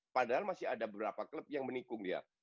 padahal masih ada beberapa klub yang menikung dia